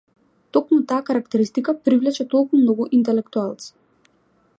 Токму таа карактеристика привлече толку многу интелектуалци.